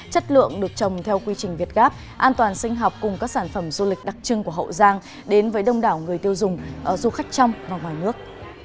chất lượng được trồng theo quy trình việt gáp an toàn sinh học cùng các sản phẩm du lịch đặc trưng của hậu giang đến với đông đảo người tiêu dùng du khách trong và ngoài nước